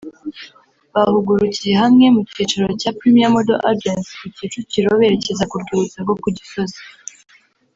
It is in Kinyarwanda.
Bahugurukiye hamwe ku cyicaro cya Premier Model Agency ku Kicukiro berekeza ku Rwibutso rwo Ku Gisozi